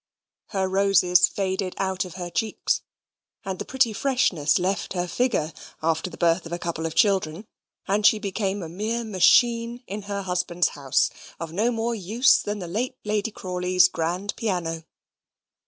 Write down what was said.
Her roses faded out of her cheeks, and the pretty freshness left her figure after the birth of a couple of children, and she became a mere machine in her husband's house of no more use than the late Lady Crawley's grand piano.